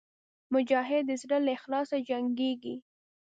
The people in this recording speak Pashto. مجاهد د زړه له اخلاصه جنګېږي.